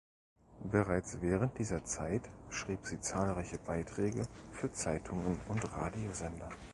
Bereits während dieser Zeit schrieb sie zahlreiche Beiträge für Zeitungen und Radiosender.